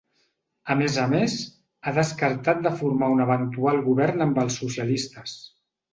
A més a més, ha descartat de formar un eventual govern amb els socialistes.